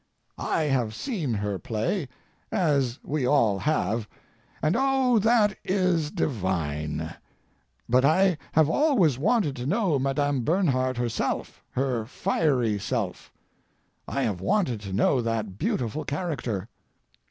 I have seen her play, as we all have, and oh, that is divine; but I have always wanted to know Madame Bernhardt herself—her fiery self. I have wanted to know that beautiful character.